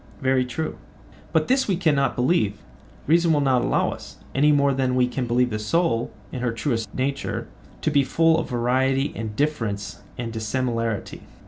Very true. But this we cannot believe—reason will not allow us—any more than we can believe the soul, in her truest nature, to be full of variety and difference and dissimilarity.